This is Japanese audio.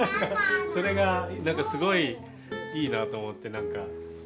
それがすごいいいなと思って何か。